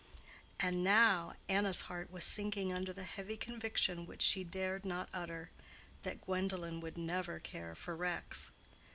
And now Anna's heart was sinking under the heavy conviction which she dared not utter, that Gwendolen would never care for Rex.